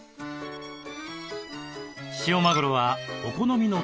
塩マグロはお好みの切り方で。